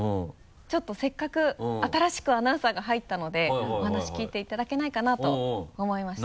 ちょっとせっかく新しくアナウンサーが入ったのでお話聞いていただけないかなと思いまして。